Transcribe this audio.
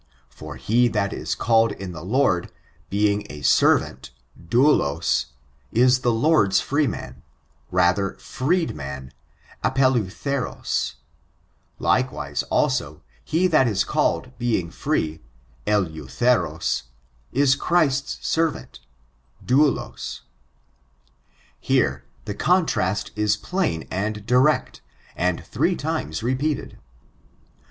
For he that is called in the Lord, being a servant^ douhs, is the Lord's fr'eeman — rather freed man — apeleutheros ; likewise, also, he that is called, being fi ee, deutherot, is Christ's servant, daulai, Here, the contrast is plain and direct, and three times repeated.